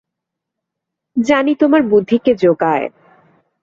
জানি তোমার বুদ্ধি কে জোগায়।